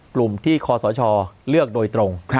กลุ่มที่คอสชเลือกโดยตรง